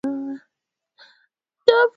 ulivyofanyika uchaguzi uliodaiwa kuwa